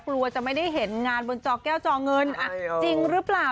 กลัวจะไม่ได้เห็นงานบนจอแก้วจอเงินจริงหรือเปล่า